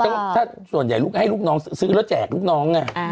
ก็ถ้าส่วนใหญ่ให้ลูกน้องซื้อแล้วแจกลูกน้องอ่ะอ่า